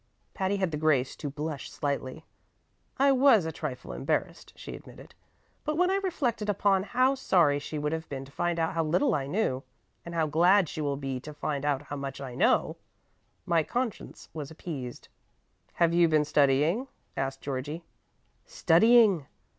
Patty had the grace to blush slightly. "I was a trifle embarrassed," she admitted; "but when I reflected upon how sorry she would have been to find out how little I knew, and how glad she will be to find out how much I know, my conscience was appeased." "Have you been studying?" asked Georgie. "Studying!"